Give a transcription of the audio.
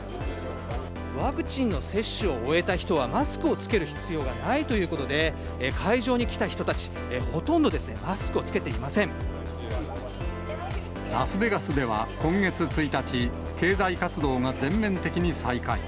ワクチンの接種を終えた人は、マスクを着ける必要がないということで、え会場に来た人たち、ラスベガスでは今月１日、経済活動が全面的に再開。